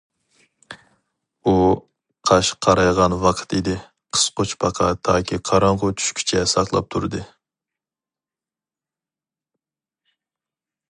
ئۇ قاش قارايغان ۋاقىت ئىدى، قىسقۇچ پاقا تاكى قاراڭغۇ چۈشكىچە ساقلاپ تۇردى.